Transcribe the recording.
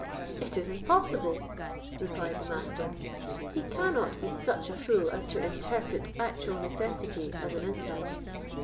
"It is impossible," replied the Master; "he cannot be such a fool as to interpret actual necessity as an insult.